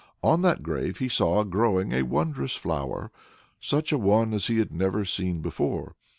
On that grave he saw growing a wondrous flower, such a one as he had never seen before.